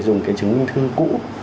dùng cái chứng minh thư cũ